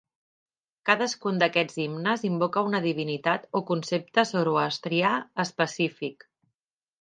Cadascun d'aquests himnes invoca una divinitat o concepte zoroastrià específic.